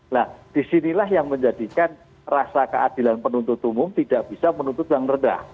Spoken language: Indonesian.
nah disinilah yang menjadikan rasa keadilan penuntut umum tidak bisa menuntut yang rendah